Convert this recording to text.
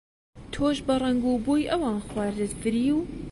تۆش بە ڕەنگ و بۆی ئەوان خواردت فریو؟